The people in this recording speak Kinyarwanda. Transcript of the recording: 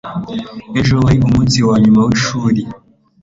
ejo wari umunsi wanyuma wishuri